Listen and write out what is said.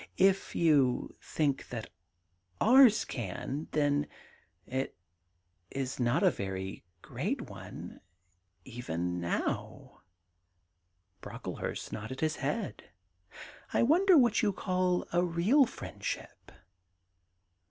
' If you think that ours can, then it is not a very great one — even now.' Brocklehurst nodded his head. ' I wonder what you call a real friendship